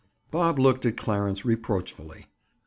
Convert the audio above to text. Bob looked at Clarence reproachfully.